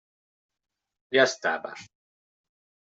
Ja estava.